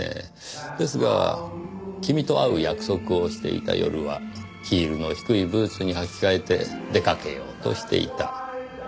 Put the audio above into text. ですが君と会う約束をしていた夜はヒールの低いブーツに履き替えて出掛けようとしていた。